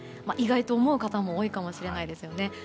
意外だなと思う方も多いかもしれないですね。